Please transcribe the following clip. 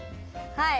はい。